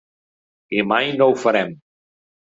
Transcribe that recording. I mai no ho farem.